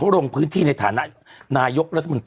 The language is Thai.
หืม